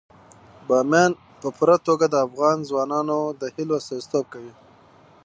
بامیان په پوره توګه د افغان ځوانانو د هیلو استازیتوب کوي.